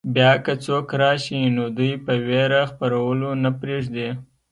بیا که څوک راشي نو دوی په وېره خپرولو نه پرېږدي.